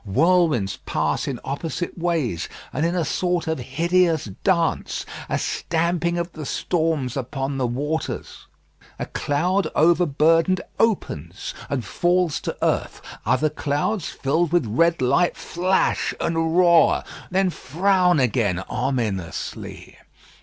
Whirlwinds pass in opposite ways, and in a sort of hideous dance, a stamping of the storms upon the waters. A cloud overburdened opens and falls to earth. Other clouds, filled with red light, flash and roar; then frown again ominously.